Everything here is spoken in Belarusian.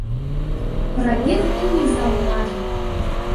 Прабег і не заўважыў.